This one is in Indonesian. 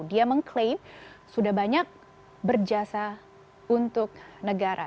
dia mengklaim sudah banyak berjasa untuk negara